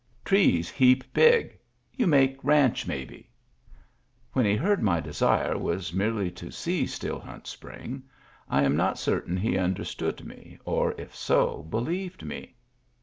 Trees heap big. You make ranch maybe ?" When he heard my desire was merely to see Still Hunt Spring, I am not certain he understood me, or if so, believed me.